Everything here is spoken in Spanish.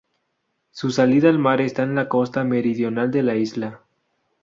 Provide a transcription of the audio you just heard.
Su salida al mar está en la costa meridional de la isla.